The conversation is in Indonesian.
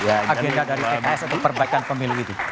agenda dari pks untuk perbaikan pemilu itu